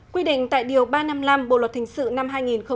quy định tại điều ba trăm năm mươi năm bộ luật hình sự năm hai nghìn một mươi năm